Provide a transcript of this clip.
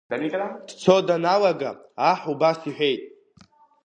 Дцо даналага аҳ убас иҳәеит…